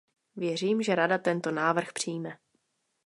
Věřím, že Rada tento návrh přijme.